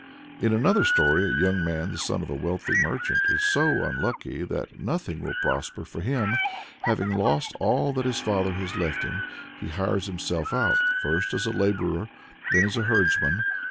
In another story a young man, the son of a wealthy merchant, is so unlucky that nothing will prosper with him. Having lost all that his father has left him, he hires himself out, first as a laborer, then as a herdsman.